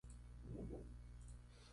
Incluso se afirmó que era pedófilo.